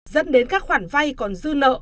dẫn đến các khoản vay còn dư nợ